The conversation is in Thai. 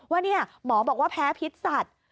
ว่านี่หมอบอกว่าแพ้พิษสัตว์